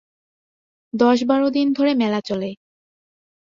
দশ বারো দিন ধরে মেলা চলে।